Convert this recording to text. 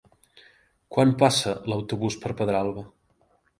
Quan passa l'autobús per Pedralba?